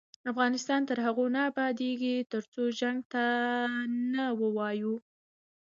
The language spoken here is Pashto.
افغانستان تر هغو نه ابادیږي، ترڅو جنګ ته نه ووایو.